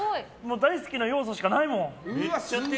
大好きな要素しかないもん。